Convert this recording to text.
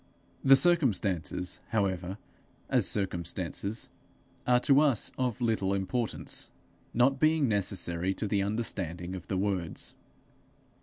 The circumstances, however, as circumstances, are to us of little importance, not being necessary to the understanding of the words.